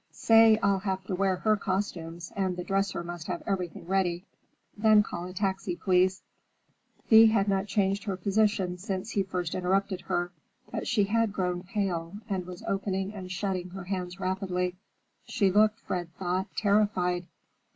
Say I'll have to wear her costumes, and the dresser must have everything ready. Then call a taxi, please." Thea had not changed her position since he first interrupted her, but she had grown pale and was opening and shutting her hands rapidly. She looked, Fred thought, terrified.